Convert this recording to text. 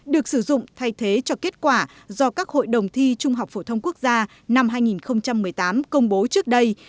được sử dụng thay thế cho kết quả do các hội đồng thi trung học phổ thông quốc gia năm hai nghìn một mươi tám công bố trước đây